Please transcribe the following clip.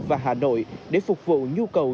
và hà nội để phục vụ nhu cầu